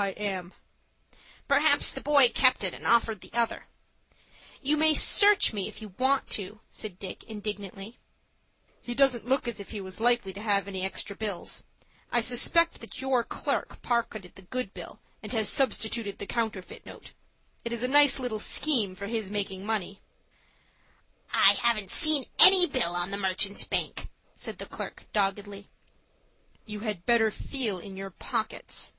"I am." "Perhaps the boy kept it and offered the other." "You may search me if you want to," said Dick, indignantly. "He doesn't look as if he was likely to have any extra bills. I suspect that your clerk pocketed the good bill, and has substituted the counterfeit note. It is a nice little scheme of his for making money." "I haven't seen any bill on the Merchants' Bank," said the clerk, doggedly. "You had better feel in your pockets."